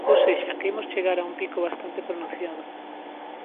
Ou sexa, que imos chegar a un pico bastante pronunciado.